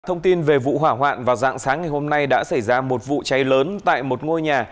thông tin về vụ hỏa hoạn vào dạng sáng ngày hôm nay đã xảy ra một vụ cháy lớn tại một ngôi nhà